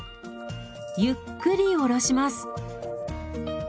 ゆっくり下ろします。